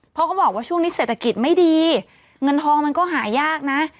เพราะเขาบอกว่าช่วงนี้เศรษฐกิจไม่ดีเงินทองมันก็หายากนะ